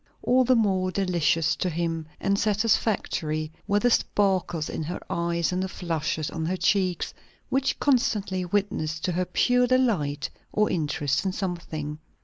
All the more delicious to him, and satisfactory, were the sparkles in her eyes and the flushes on her cheeks, which constantly witnessed to her pure delight or interest in something.